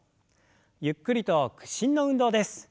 ゆっくりと屈伸の運動です。